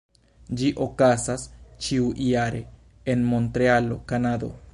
Ĝi okazas ĉiujare en Montrealo, Kanado.